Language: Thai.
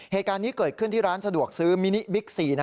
เหตุการณ์นี้เกิดขึ้นที่ร้านสะดวกซื้อมินิบิ๊กซี